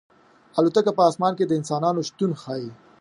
الوتکه په اسمان کې د انسان شتون ښيي.